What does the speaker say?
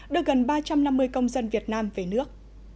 đưa gần ba trăm năm mươi công dân việt nam về nước